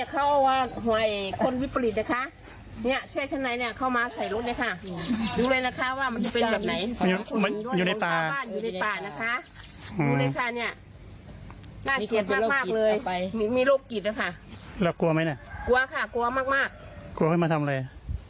กลัวเขาจะมาทุกอย่างนะคะในกลมคิดของเราทุกอย่างเลย